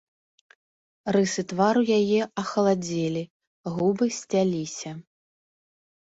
Рысы твару яе ахаладзелі, губы сцяліся.